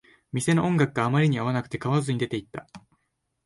店の音楽があまりに合わなくて、買わずに出ていった